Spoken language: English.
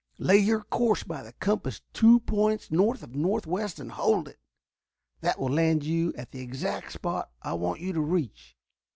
Lay your course by the compass two points north of northwest and hold it. That will land you at the exact spot I want you to reach.